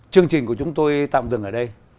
chương trình của chúng tôi tạm dừng ở đây